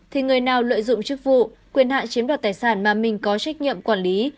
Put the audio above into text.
thì người nào lợi dụng chức vụ quyền hạn chiếm đoạt tài sản mà mình có trách nhiệm quản lý